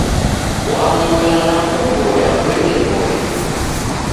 Wamola nakuvoya kuende W'oi